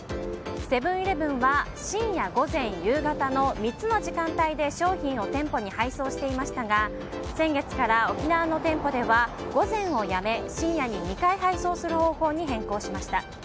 セブン‐イレブンは深夜、午前、夕方の３つの時間帯で商品を店舗に配送していましたが先月から沖縄の店舗では午前をやめ深夜に２回配送する方法に変更しました。